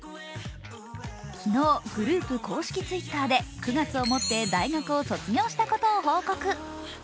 昨日、グループ公式Ｔｗｉｔｔｅｒで９月をもって大学を卒業したことを報告。